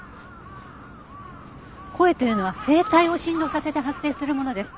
声というのは声帯を振動させて発生するものです。